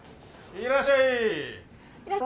いらっしゃいませ。